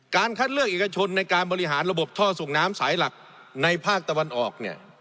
คัดเลือกเอกชนในการบริหารระบบท่อส่งน้ำสายหลักในภาคตะวันออกเนี่ย